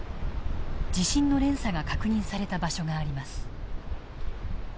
地震の連鎖が確認された場所があります。